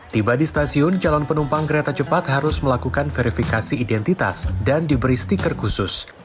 tiba di stasiun calon penumpang kereta cepat harus melakukan verifikasi identitas dan diberi stiker khusus